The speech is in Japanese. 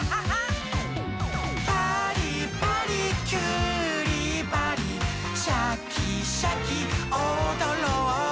「パーリーパーリーキューリーパーリー」「シャキシャキおどろう」